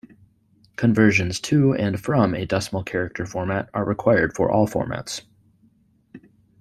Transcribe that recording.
Conversions to and from a decimal character format are required for all formats.